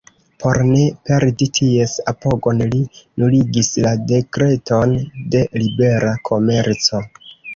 Por ne perdi ties apogon, li nuligis la dekreton de libera komerco.